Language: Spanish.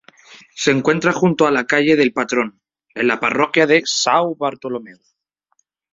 Se encuentra junto a la Calle del Patrón, en la parroquia de São Bartolomeu.